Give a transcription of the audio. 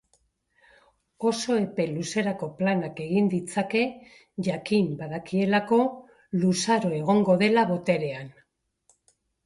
Oso epe luzerako planak egin ditzake jakin badakielako luzaro egongo dela boterean.